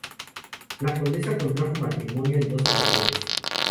La condesa contrajo matrimonio en dos ocasiones.